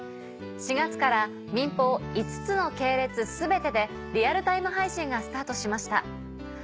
４月から民放５つの系列全てでリアルタイム配信がスタートしました。